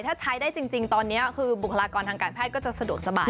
ถ้าใช้ได้จริงตอนนี้คือบุคลากรทางการแพทย์ก็จะสะดวกสบาย